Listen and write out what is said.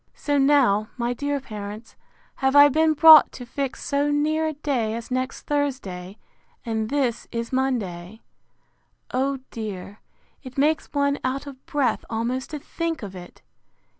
So now, my dear parents, have I been brought to fix so near a day as next Thursday; and this is Monday. O dear, it makes one out of breath almost to think of it!